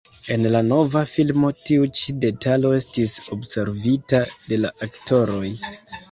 En la nova filmo tiu ĉi detalo estis observita de la aktoroj.